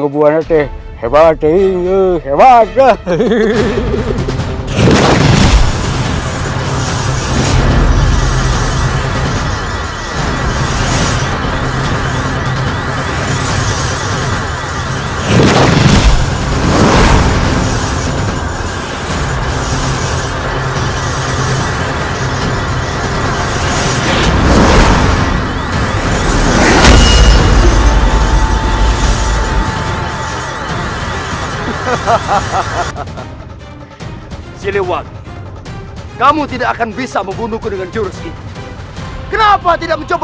oh siliwangi mengeluarkan jurus prata sukma